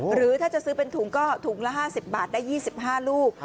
หรือถ้าจะซื้อเป็นถุงก็ถุงละ๕๐บาทได้๒๕ลูก